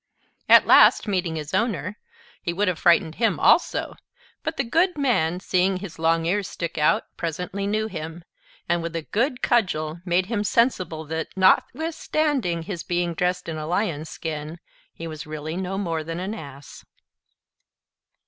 At last, meeting his owner, he would have frightened him also; but the good man, seeing his long ears stick out, presently knew him, and with a good cudgel made him sensible that, notwithstanding his being dressed in a Lion's skin, he was really no more than an Ass.